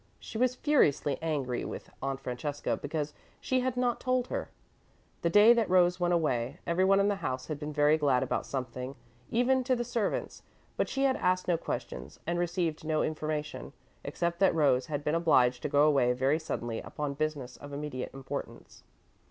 She was furiously angry with Aunt Francesca because she had not told her. The day that Rose went away, everyone in the house had been very glad about something, even to the servants, but she had asked no questions and received no information, except that Rose had been obliged to go away very suddenly upon business of immediate importance.